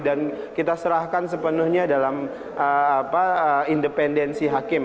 dan kita serahkan sepenuhnya dalam independensi hakim